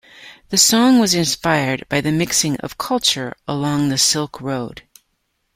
The song was inspired by the mixing of culture along the silk road.